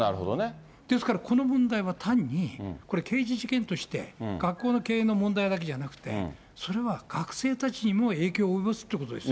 ですからこの問題は、単にこれ、刑事事件として学校の経営の問題だけじゃなくて、それは学生たちにも影響を及ぼすってことですよ。